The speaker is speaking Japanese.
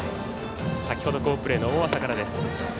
先ほど好プレーの大麻からです。